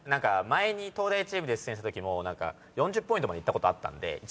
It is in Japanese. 前に東大チームで出演したときも４０ポイントまでいったことあったんで１問で。